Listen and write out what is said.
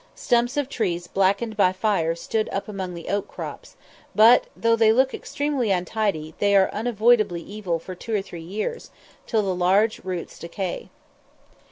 Stumps of trees blackened by fire stood up among the oat crops; but though they look extremely untidy, they are an unavoidable evil for two or three years, till the large roots decay.